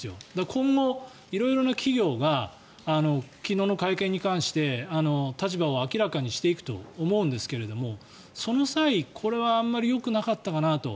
今後、色々な企業が昨日の会見に関して立場を明らかにしていくと思うんですがその際、これはあまりよくなかったかなと。